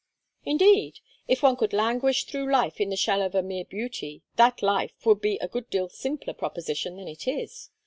"Indeed? If one could languish through life in the shell of a mere beauty that life would be a good deal simpler proposition than it is.